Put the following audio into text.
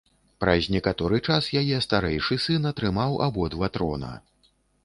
Праз некаторы час яе старэйшы сын атрымаў абодва трона.